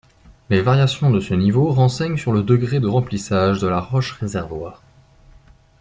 Les variations de ce niveau renseignent sur le degré de remplissage de la roche-réservoir.